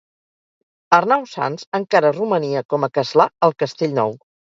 Arnau Sanç encara romania com a castlà al castell Nou.